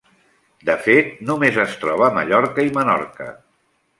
De fet, només es troba a Mallorca i Menorca.